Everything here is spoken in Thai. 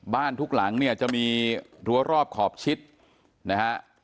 ทุกหลังเนี่ยจะมีรั้วรอบขอบชิดนะฮะ